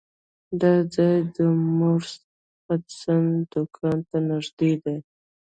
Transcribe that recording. دا ځای د مورس هډسن دکان ته نږدې دی.